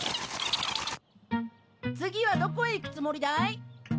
次はどこへ行くつもりだい？